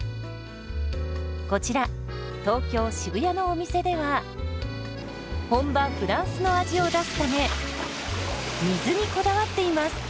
こちら東京・渋谷のお店では本場フランスの味を出すため水にこだわっています。